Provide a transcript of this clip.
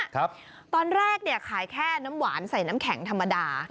ตอนแรกเนี่ยขายแค่น้ำหวานใส่น้ำแข็งธรรมดา